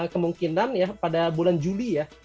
kemungkinan ya pada bulan juli ya